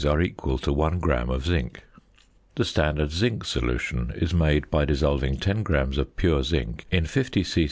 are equal to 1 gram of zinc. The standard zinc solution is made by dissolving 10 grams of pure zinc in 50 c.c.